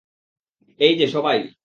এই যে সবাই!